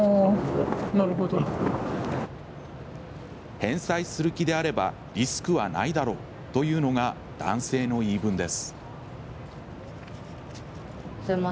返済する気であればリスクはないだろうというのが男性の言い分です。